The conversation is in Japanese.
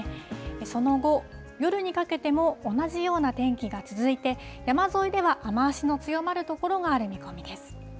その後、夜にかけても同じような天気が続いて、山沿いでは雨足の強まる所がある見込みです。